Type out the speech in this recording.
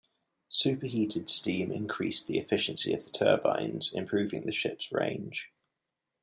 Superheated steam increased the efficiency of the turbines, improving the ships' range.